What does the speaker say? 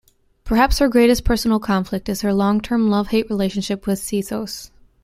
Perhaps her greatest personal conflict is her long term love-hate relationship with Sethos.